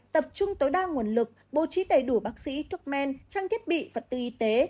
tập trung tối đa nguồn lực bố trí đầy đủ bác sĩ thuốc men trang thiết bị vật tư y tế